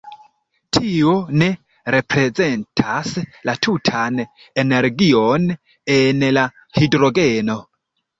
Tio ne reprezentas la tutan energion en la hidrogeno.